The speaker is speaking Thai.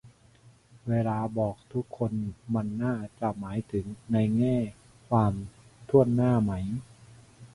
เวลาบอก "ทุกคน" มันน่าจะหมายถึงในแง่ความถ้วนหน้าไหม